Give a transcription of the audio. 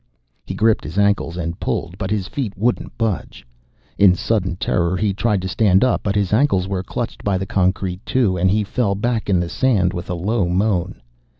He gripped his ankles and pulled, but his feet wouldn't budge. In sudden terror, he tried to stand up, but his ankles were clutched by the concrete too, and he fell back in the sand with a low moan.